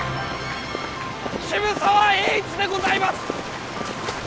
渋沢栄一でございます！